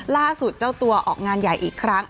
ล่าสุดเจ้าตัวออกงานใหญ่อีกครั้ง